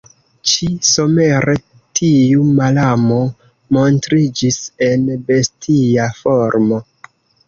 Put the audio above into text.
Ĉi-somere tiu malamo montriĝis en bestia formo.